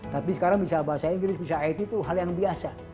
tapi sekarang bisa bahasa inggris bisa it itu tidak ada yang tidak bisa